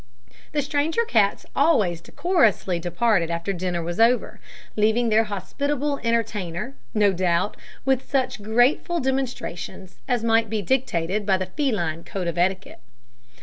The stranger cats always decorously departed after dinner was over, leaving their hospitable entertainer, no doubt, with such grateful demonstrations as might be dictated by the feline code of etiquette.